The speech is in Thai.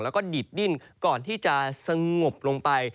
แล้วก็ดิดดิ้นก่อนที่จะสงบลงไป